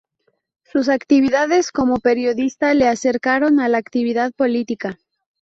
Sus actividades como periodista le acercaron a la actividad política.